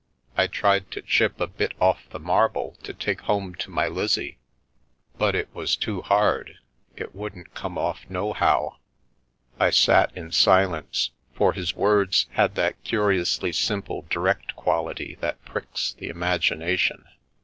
I tried to chip a bit off the marble to take home to my Lizzie, but it was too hard — it wouldn't come off nohow." I sat in silence, for his words had that curiously sim ~C Salt water Philosophy pie, direct quality that pricks the imagination.